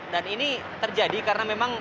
dan ini terjadi karena memang